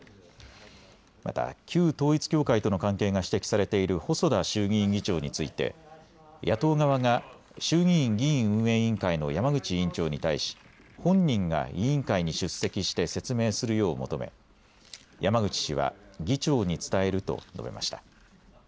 また旧統一教会との関係が指摘されている細田衆議院議長について野党側が衆議院議院運営委員会の山口委員長に対し本人が委員会に出席して説明するよう求め、山口氏は議長に伝えると述べました。